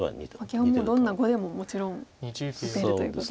基本もうどんな碁でももちろん打てるということで。